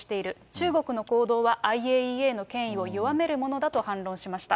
中国の行動は、ＩＡＥＡの権威を弱めるものだと反論しました。